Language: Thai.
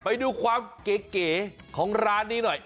ไปดูความเก๋ของร้านนี้หน่อย